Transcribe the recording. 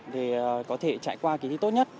để có thể trải qua kỳ thi tốt nhất